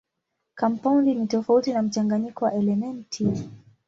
Kampaundi ni tofauti na mchanganyiko wa elementi.